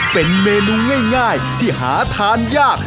เป็นเมนูง่ายที่หาทานยาก